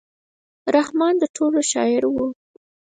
رحمان د ټولو شاعر و.